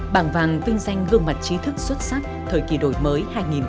bảng vàng vinh danh gương mặt trí thức xuất sắc thời kỳ đổi mới hai nghìn một mươi sáu